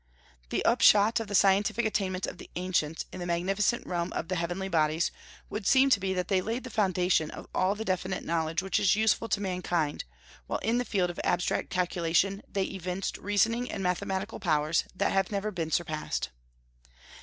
The upshot of the scientific attainments of the ancients, in the magnificent realm of the heavenly bodies, would seem to be that they laid the foundation of all the definite knowledge which is useful to mankind; while in the field of abstract calculation they evinced reasoning and mathematical powers that have never been surpassed.